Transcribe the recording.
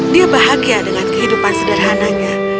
dia bahagia dengan kehidupan sederhananya